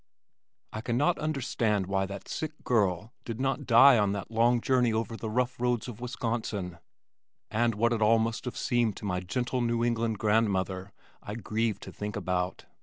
I cannot understand why that sick girl did not die on that long journey over the rough roads of Wisconsin, and what it all must have seemed to my gentle New England grandmother I grieve to think about.